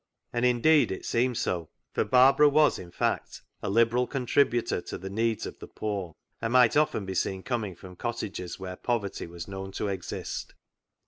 And indeed it seemed so, for Barbara was in fact a liberal contributor to the needs of the poor, and might often be seen coming from cottages where poverty was known to exist.